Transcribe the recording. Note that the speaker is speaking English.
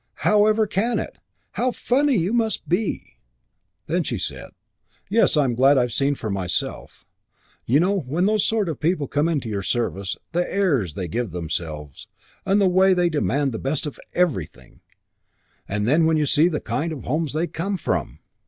How ever can it? How funny you must be!" Then she said, "Yes, I'm glad I've seen for myself. You know, when those sort of people come into your service the airs they give themselves and the way they demand the best of everything and then when you see the kind of homes they come from